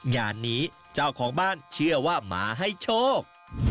งานนี้เจ้าของบ้านเชื่อว่ามาให้โชค